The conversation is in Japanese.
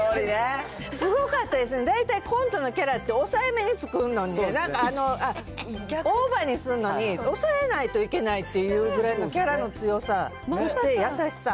すごかったですね、大体、コントのキャラって、抑えめに作るのに、なんか、オーバーにすんのに、抑えないといけないっていうぐらいのキャラの強さ、そして優しさ。